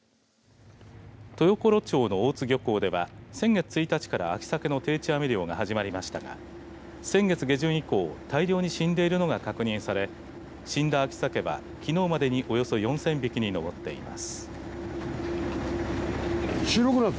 豊頃町の大津漁港では、先月１日から秋サケの定置網漁が始まりましたが先月下旬以降大量に死んでいるのが確認され死んだ秋サケは、きのうまでにおよそ４０００匹に上っています。